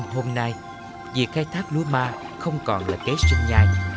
hôm nay việc khai thác lúa ma không còn là kế sinh nhai